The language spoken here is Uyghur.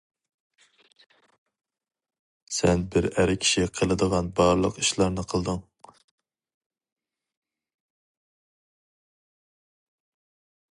سەن بىر ئەر كىشى قىلىدىغان بارلىق ئىشلارنى قىلدىڭ.